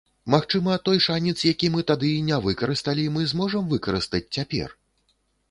Магчыма, той шанец, які мы тады не выкарысталі, мы зможам выкарыстаць цяпер?